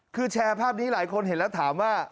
คือแชร์ภาพนี้หลายคนเห็นแล้วถามว่า